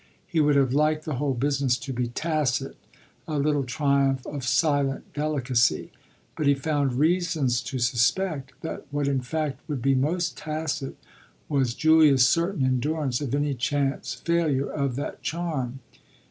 He would have liked the whole business to be tacit a little triumph of silent delicacy. But he found reasons to suspect that what in fact would be most tacit was Julia's certain endurance of any chance failure of that charm.